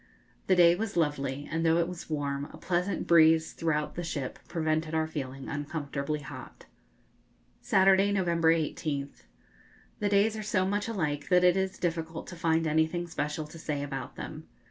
The day was lovely, and though it was warm, a pleasant breeze throughout the ship prevented our feeling uncomfortably hot. Saturday, November 18th. The days are so much alike that it is difficult to find anything special to say about them.